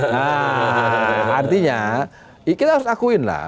nah artinya kita harus akuin lah